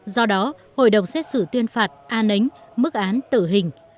do đó hội đồng xét xử tuyên phạt a nánh mức án tử hình